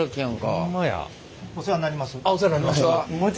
あお世話になります。